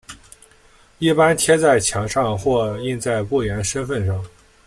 一般贴在墙上或印在雇员身份上。